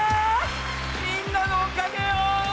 みんなのおかげよ！